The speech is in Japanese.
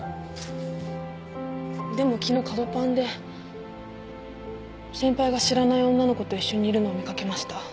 でも昨日カドパンで先輩が知らない女の子と一緒にいるのを見掛けました。